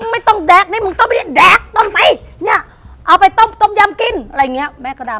ไม่ต้องแดกนี่แดกต้องเอาไปให้ต้มหย้ำกิน